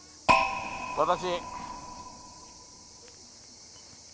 私。